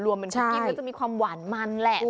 รวมเป็นคุกกี้ก็จะมีความหวานมันแหละ